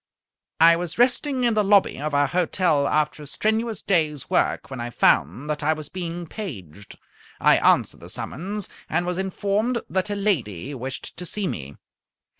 I was resting in the lobby of our hotel after a strenuous day's work, when I found that I was being paged. I answered the summons, and was informed that a lady wished to see me.